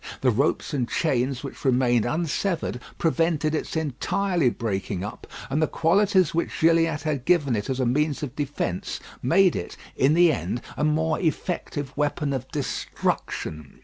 The ropes and chains which remained unsevered prevented its entirely breaking up, and the qualities which Gilliatt had given it as a means of defence made it, in the end, a more effective weapon of destruction.